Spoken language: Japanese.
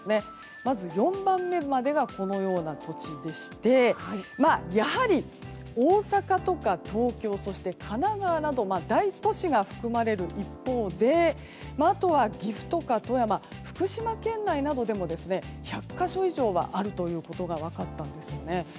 まず４番目までがこのような土地でしてやはり大阪や東京、神奈川など大都市が含まれる一方であとは岐阜とか富山福島県内などでも１００か所以上はあるということが分かったんですよね。